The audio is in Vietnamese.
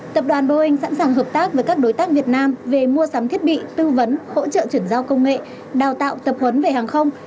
tập đoàn boeing sẵn sàng hợp tác với các đối tác việt nam về mua sắm thiết bị tư vấn hỗ trợ chuyển giao công nghệ đào tạo tập huấn về hàng không